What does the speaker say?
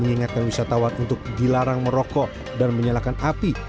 mengingatkan wisatawan untuk dilarang merokok dan menyalakan api